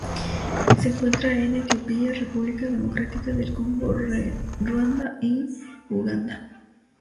Se encuentra en Etiopía, República Democrática del Congo, Ruanda y Uganda.